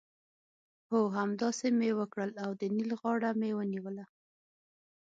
هو! همداسې مې وکړل او د نېل غاړه مې ونیوله.